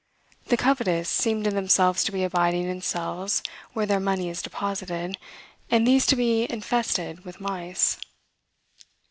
The covetous seem to themselves to be abiding in cells where their money is deposited, and these to be infested with mice.